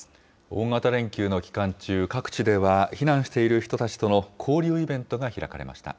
大型連休の期間中、各地では、避難している人たちとの交流イベントが開かれました。